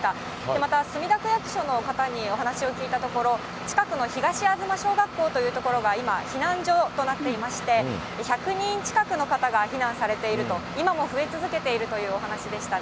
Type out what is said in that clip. また墨田区役所の方にお話を聞いたところ、近くの東吾嬬小学校という所が今、避難所となっていまして、１００人近くの方が避難されていると、今も増え続けているというお話でしたね。